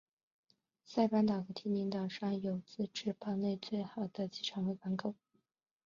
塞班岛和天宁岛上有自治邦内最好的机场和港口。